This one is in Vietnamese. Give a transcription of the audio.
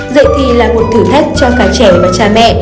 dạy thì là một thử thách cho cả trẻ và cha mẹ